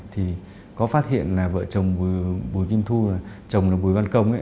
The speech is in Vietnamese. thì có phát hiện là vợ chồng bùi kim thu chồng là bùi văn công